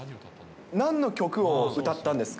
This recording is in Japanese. なんの曲を歌ったんですか？